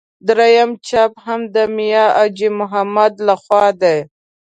درېیم چاپ هم د میا حاجي محمد له خوا دی.